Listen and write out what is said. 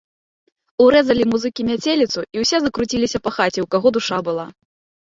Урэзалі музыкі мяцеліцу, і ўсё закруцілася па хаце, у каго душа была.